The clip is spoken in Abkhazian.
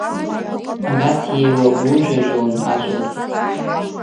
Абас иеилагужәажәон ажәлар.